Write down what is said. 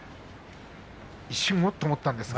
一瞬おっと思ったんですが。